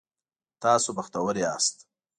تاسو بختور یاست